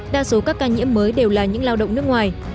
đa số các ca nhiễm mới đều là những lao động nước ngoài